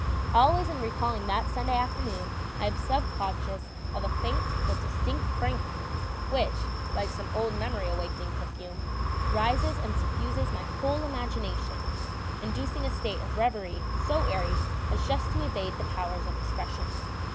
Always in recalling that Sunday afternoon I am sub conscious of a faint but distinct fragrance which, like some old memory awakening perfume, rises and suffuses my whole imagination, inducing a state of reverie so airy as just to evade the powers of expression.